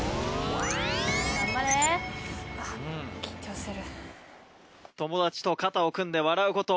頑張れ。緊張する。